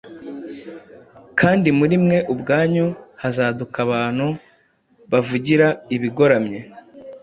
Kandi muri mwe ubwanyu hazaduka abantu bavugira ibigoramye